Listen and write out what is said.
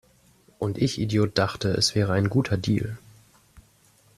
Und ich Idiot dachte, es wäre ein guter Deal!